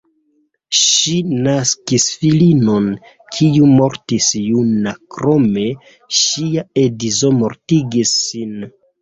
Ŝi naskis filinon, kiu mortis juna, krome ŝia edzo mortigis sin.